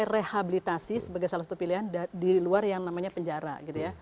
rehabilitasi sebagai salah satu pilihan di luar yang namanya penjara gitu ya